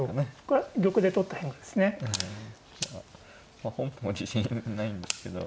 まあ本譜も自信ないんですけど。